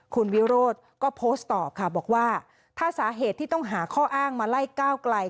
คุณวิโรธก็โพสต์ตอบค่ะบอกว่าถ้าสาเหตุที่ต้องหาข้ออ้างมาไล่ก้าวไกล